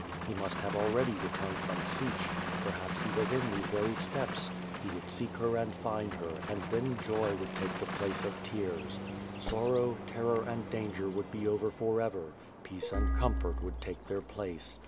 He must have already returned from Sich; perhaps he was in these very steppes; he would seek her and find her, and then joy would taJ^e the place of tears. Sorrow, terror, and danger would be over forever — peace and comfort would take their place.